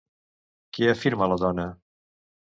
Què afirma la dona?